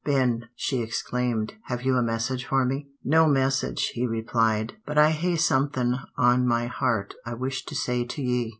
"Ben," she exclaimed, "have you a message for me?" "No message," he replied, "but I hae somethin' on my heart I wish to say to ye.